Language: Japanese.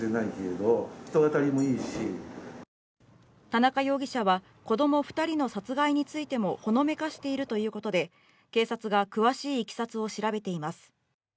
田中容疑者は、子供２人の殺害についてもほのめかしているということで警察が詳しいいきさつを調べています。